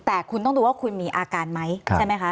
แต่คุณต้องดูว่าคุณมีอาการไหมใช่ไหมคะ